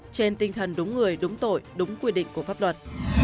trên tinh thần đúng người đúng tội đúng quy định của pháp luật